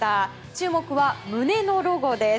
注目は胸のロゴです。